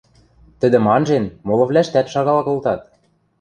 Тӹдӹм анжен, молывлӓштӓт шагал колтат.